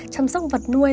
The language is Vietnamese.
chăm sóc vật nuôi